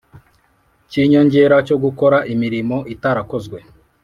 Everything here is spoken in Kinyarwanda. cy inyongera cyo gukora imirimo itarakozwe